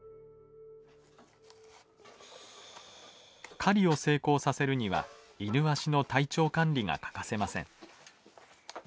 狩りを成功させるにはイヌワシの体調管理が欠かせません。